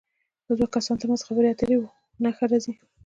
د دوو کسو تر منځ خبرې اترې وي نښه راځي.